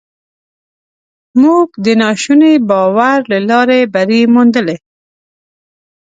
موږ د ناشوني باور له لارې بری موندلی.